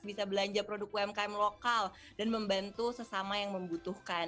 bisa belanja produk umkm lokal dan membantu sesama yang membutuhkan